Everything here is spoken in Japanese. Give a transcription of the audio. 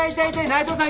内藤さん。